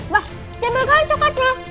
wah jempol garam coklatnya